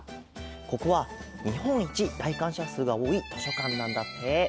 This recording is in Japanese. ここはにほんいちらいかんしゃすうがおおいとしょかんなんだって！